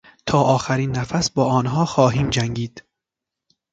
تا آخرین نفس با آنها خواهیم جنگید.